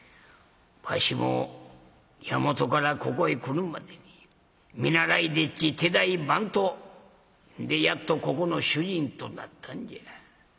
わしも大和からここへ来るまでに見習い丁稚手代番頭でやっとここの主人となったんじゃ。